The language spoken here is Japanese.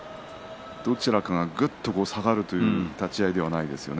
どちらかが、ぐっと下がるという立ち合いではないですよね。